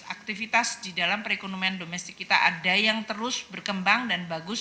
aktivitas di dalam perekonomian domestik kita ada yang terus berkembang dan bagus